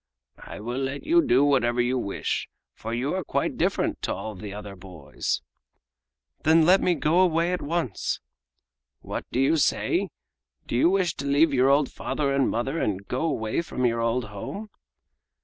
"I will let you do whatever you wish, for you are quite different to all other boys!" "Then let me go away at once!" "What do you say? Do you wish to leave your old father and mother and go away from your old home?"